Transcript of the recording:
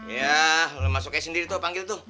yah lo masuk aja sendiri tuh panggil tuh